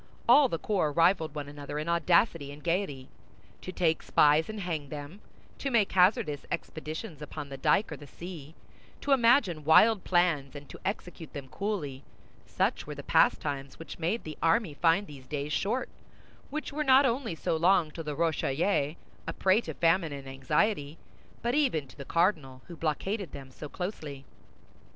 All the corps rivaled one another in audacity and gaiety. To take spies and hang them, to make hazardous expeditions upon the dyke or the sea, to imagine wild plans, and to execute them coolly—such were the pastimes which made the army find these days short which were not only so long to the Rochellais, a prey to famine and anxiety, but even to the cardinal, who blockaded them so closely.